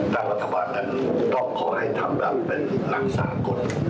รัฐบาลนั้นต้องขอให้ทำแบบเป็นหลักสากล